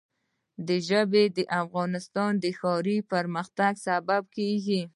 ژبې د افغانستان د ښاري پراختیا سبب کېږي.